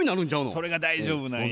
それが大丈夫なんや。